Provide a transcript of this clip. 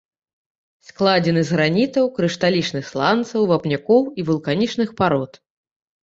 Складзены з гранітаў, крышталічных сланцаў, вапнякоў і вулканічных парод.